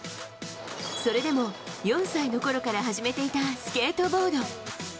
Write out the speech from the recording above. それでも、４歳のころから始めていたスケートボード。